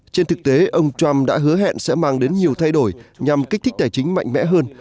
trên thực tế ông trump đã hứa hẹn sẽ mang đến nhiều thay đổi nhằm kích thích tài chính mạnh mẽ hơn